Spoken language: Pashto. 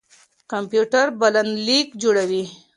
کمپيوټر بلنليک جوړوي.